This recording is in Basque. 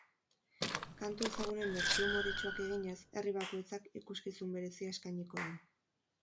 Kantu ezagunen bertsio umoretsuak eginez, herri bakoitzak ikuskizun berezia eskainiko du.